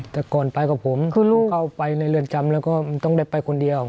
แต่ก่อนไปกับผมเขาก็ไปในเรือนจำแล้วก็มันต้องได้ไปคนเดียว